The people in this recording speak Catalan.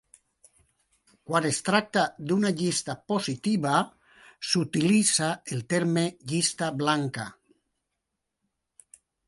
Quan es tracta d'una llista positiva s'utilitza el terme llista blanca.